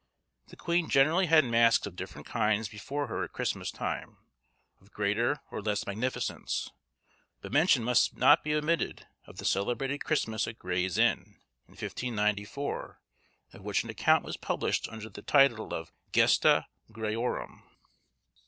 The queen generally had masks of different kinds before her at Christmas time, of greater or less magnificence; but mention must not be omitted of the celebrated Christmas at Gray's Inn, in 1594, of which an account was published under the title of Gesta Grayorum.